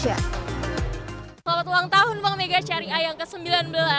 selamat ulang tahun bank mega syariah yang ke sembilan belas